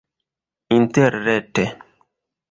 interrete